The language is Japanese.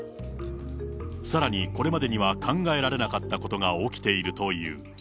さらにこれまでには考えられなかったことが起きているという。